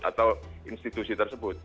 atau institusi tersebut